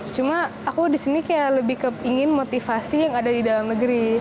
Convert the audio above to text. cuma aku disini kayak lebih ke ingin motivasi yang ada di dalam negeri